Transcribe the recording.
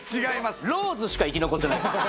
違います